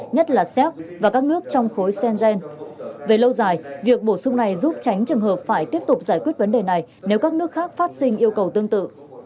nhất là séc và các nước trong khối sen về lâu dài việc bổ sung này giúp tránh trường hợp phải tiếp tục giải quyết vấn đề này nếu các nước khác phát sinh yêu cầu tương tự